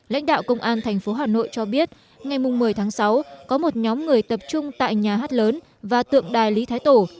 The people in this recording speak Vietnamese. lãnh đạo công an tp hà nội cho biết ngày một mươi tháng sáu có một nhóm người tập trung tại nhà hát lớn và tượng đài lý thái tổ